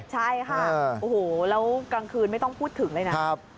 ใช่ค่ะโอ้โหแล้วกลางคืนไม่ต้องพูดถึงเลยนะ